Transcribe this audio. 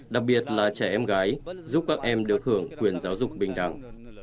đặc biệt là trẻ em gái giúp các em được hưởng quyền giáo dục bình đẳng